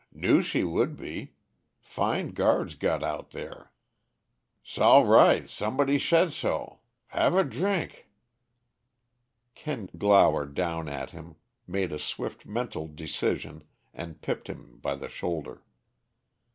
"Knew she would be fine guards's got out there. 'Sall righ' somebody shaid sho. Have a drink." Kent glowered down at him, made a swift, mental decision, and pipped him by the shoulder.